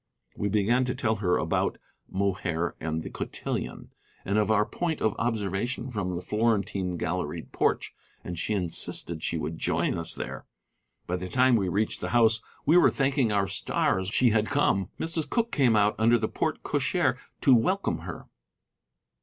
We began to tell her about Mohair and the cotillon, and of our point of observation from the Florentine galleried porch, and she insisted she would join us there. By the time we reached the house we were thanking our stars she had come. Mrs. Cooke came out under the port cochere to welcome her.